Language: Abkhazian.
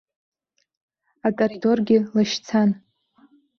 Акоридоргьы лашьцан.